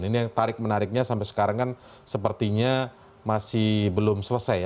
ini yang tarik menariknya sampai sekarang kan sepertinya masih belum selesai ya